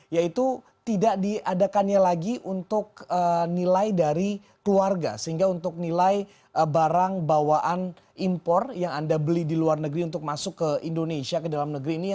yaitu tidak diadakannya lagi untuk nilai dari keluarga sehingga untuk nilai barang bawaan impor yang anda beli di luar negeri untuk masuk ke indonesia ke dalam negeri ini